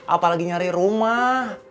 apalagi nyari rumah